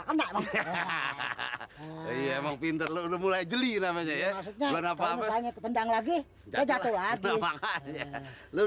oh brad hai dia memang pindah udah mulai jeli namanya coba tangan meinung lagi ngajak buler